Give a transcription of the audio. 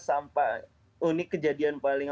sampah unik kejadian paling